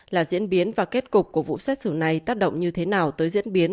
là diễn biến và kết cục của vụ xét xử này tác động như thế nào tới diễn biến